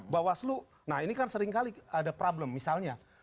bahwa asuransi nah ini kan seringkali ada problem misalnya